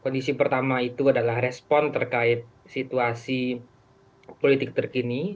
kondisi pertama itu adalah respon terkait situasi politik terkini